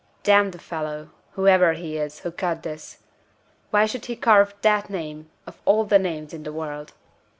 "D n the fellow (whoever he is) who cut this! Why should he carve that name, of all the names in the world?"